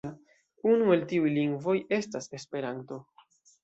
Unu el tiuj lingvoj estas Esperanto.